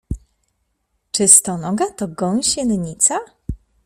Czy stonoga to gąsienica?